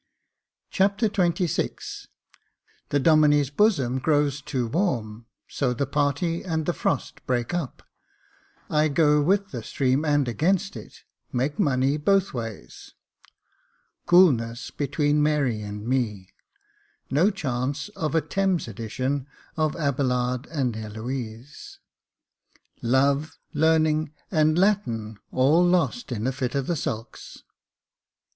Chapter XXVI The Domine's bosom grows too warm ; so the party and the frost break up — I go with the stream and against it ; make money both ways — Coolness between Mary and me — No chance of a Thames' edition of Abelard and Eloise — Love, learning, and Latin all lost in a fit of the sulks.